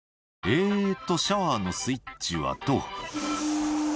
「えっとシャワーのスイッチはと」